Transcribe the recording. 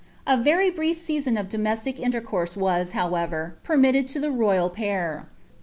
A very brief season of domestic iiilereonrae was, howerer, peimitl«d to the royal pair.